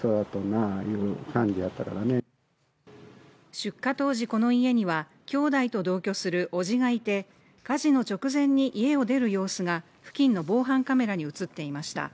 出火当時、この家には兄弟と同居する伯父がいて、火事の直前に家を出る様子が付近の防犯カメラに映っていました。